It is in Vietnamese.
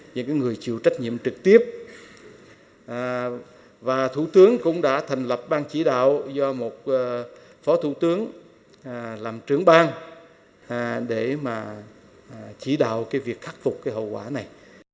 những người chịu trách nhiệm trực tiếp và thủ tướng cũng đã thành lập ban chỉ đạo do một phó thủ tướng làm trưởng bang để mà chỉ đạo cái việc khắc phục cái hậu quả này